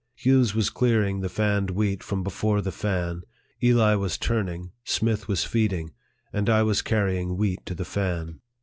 Hughes was clearing the fanned wheat from before the fan, Eli was turning, Smith was feeding, and I was carrying wheat to the fan.